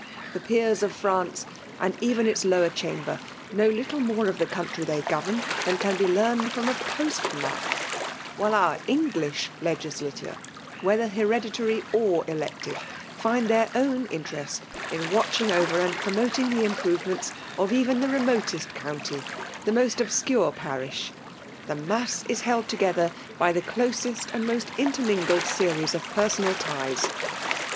The peers of France, and even its lower Chamber, know little more of the ooantry they govern Ihaai can be learned Irom a post map; while oar English legislature, whether hereditary or de<tive, find their own interest in watching over and promoting the improvements of even PBBIALB DOMINATION. 191 tbe remotest oounty, — the most obscure pa rish ;— the mass is held together by the closest and most intemungled series of personal ties.